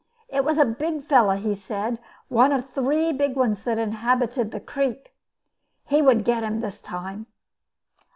It was a big fellow, he said, one of three big ones that inhabited the creek. He would get him this time.